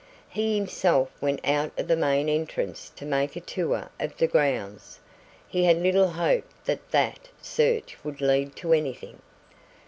He himself went out of the main entrance to make a tour of the grounds. He had little hope that that search would lead to anything.